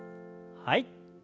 はい。